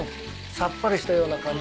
さっぱりしたような感じで出す。